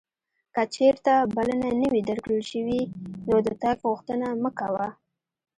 که چیرته بلنه نه وې درکړل شوې نو د تګ غوښتنه مه کوه.